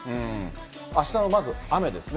あしたのまず雨ですね。